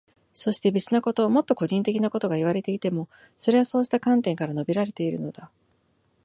そして、別なこと、もっと個人的なことがいわれていても、それはそうした観点から述べられているのだ。